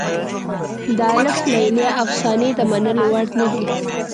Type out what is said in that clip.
د الف لیله افسانې د منلو وړ نه دي.